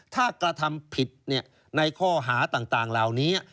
ถ้ากระทำผิดในข้อหาต่างเหล่านี้